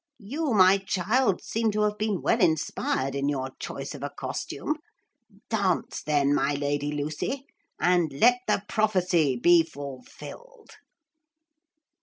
You, my child, seem to have been well inspired in your choice of a costume. Dance, then, my Lady Lucy, and let the prophecy be fulfilled.'